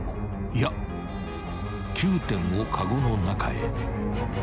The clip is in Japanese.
いや９点をかごの中へ］